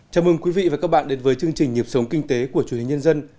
chào mừng quý vị và các bạn đến với chương trình nhịp sống kinh tế của truyền hình nhân dân